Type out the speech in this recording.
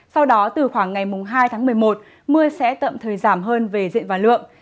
sau đó từ khoảng ngày hai tháng một mươi một mưa sẽ tạm thời giảm hơn về diện và lượng